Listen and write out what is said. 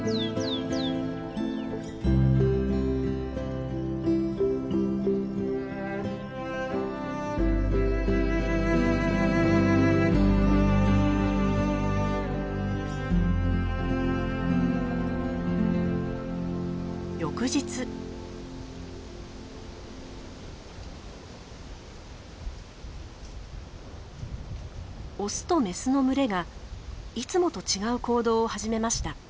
オスとメスの群れがいつもと違う行動を始めました。